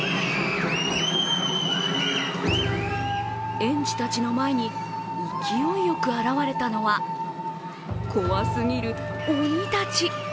園児たちの前に、勢いよく現れたのは、怖すぎる鬼たち。